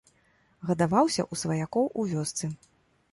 Гадаваўся ў сваякоў у вёсцы.